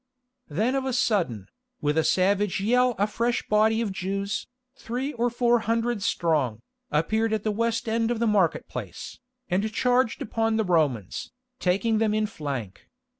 Then of a sudden, with a savage yell a fresh body of Jews, three or four hundred strong, appeared at the west end of the market place, and charged upon the Romans, taking them in flank.